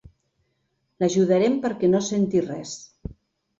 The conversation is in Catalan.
L'ajudarem perquè no senti res.